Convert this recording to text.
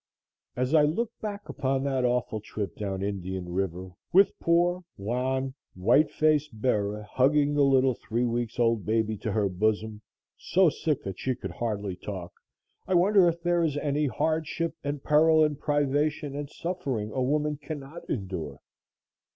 As I look back upon that awful trip down Indian River, with poor, wan, white faced Bera hugging the little three weeks' old baby to her bosom, so sick that she could hardly talk, I wonder if there is any hardship, and peril, and privation, and suffering, a woman cannot endure.